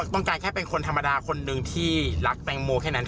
ต้องการแค่เป็นคนธรรมดาคนหนึ่งที่รักแตงโมแค่นั้น